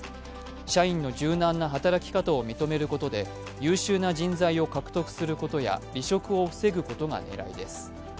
社員の柔軟な働き方を認めることで優秀な人材を獲得することや離職を防ぐことが狙いです。